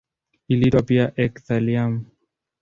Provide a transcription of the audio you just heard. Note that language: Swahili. Iliitwa pia eka-thallium.